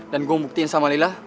dan gua mau buktiin sama lila